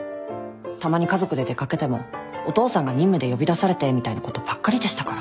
たまに家族で出掛けてもお父さんが任務で呼び出されてみたいなことばっかりでしたから。